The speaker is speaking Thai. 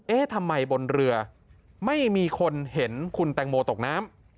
ทำไมบนเรือไม่มีคนเห็นคุณแตงโมตกน้ำ